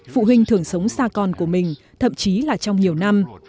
phụ huynh thường sống xa con của mình thậm chí là trong nhiều năm